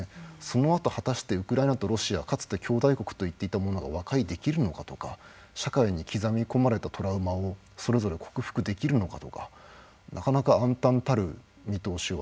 そのあと果たしてウクライナとロシアはかつて兄弟国と言っていたものが和解できるのかとか社会に刻み込まれたトラウマをそれぞれ克服できるのかとかなかなか暗たんたる見通しを私は持っています。